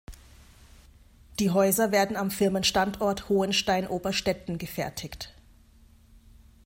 Die Häuser werden am Firmenstandort Hohenstein-Oberstetten gefertigt.